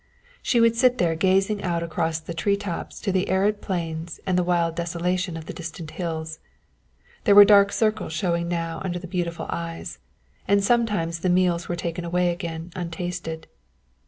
She would sit there gazing out across the tree tops to the arid plains and the wild desolation of the distant hills. There were dark circles showing now under the beautiful eyes, and sometimes the meals were taken away again untasted.